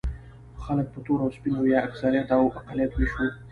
خلک په تور او سپین او یا اکثریت او اقلیت وېشو.